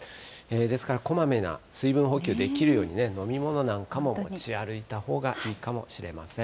ですから、こまめな水分補給できるようにね、飲み物なんかも持ち歩いたほうがいいかもしれません。